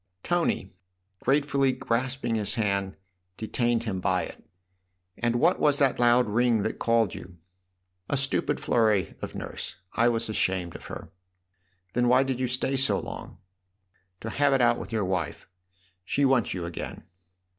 Tony, gratefully grasping his hand, detained him by it. " And what was that loud ring that called you ?" "A stupid flurry of Nurse. I was ashamed of her." 36 THE OTHER HOUSE " Then why did you stay so long ?"" To have it out with your wife. She wants you again."